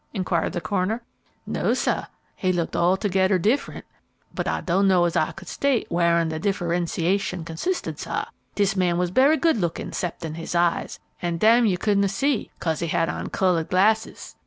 inquired the coroner. "No, sah; he looked altogedder diff'rent; but I don' know as I could state whar'in de differensiashun consisted, sah. Dis man was berry good lookin' 'ceptin' his eyes, an' dem yoh cudn' see, 'case he had on cull'ed glasses.